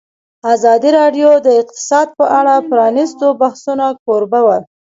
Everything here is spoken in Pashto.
ازادي راډیو د اقتصاد په اړه د پرانیستو بحثونو کوربه وه.